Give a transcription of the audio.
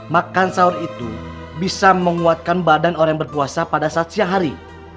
makan sahur itu bisa menguatkan badan orang yang berpuasa pada saat siang hari